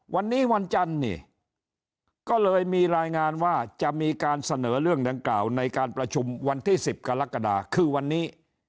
วันนี้วันจันทร์นี่ก็เลยมีรายงานว่าจะมีการเสนอเรื่องดังกล่าวในการประชุมวันที่๑๐กรกฎาคือวันนี้